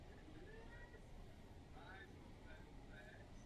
Pracovníci se rovněž účastní odborných konferencí.